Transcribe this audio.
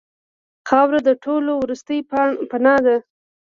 خاوره د ټولو وروستۍ پناه ده.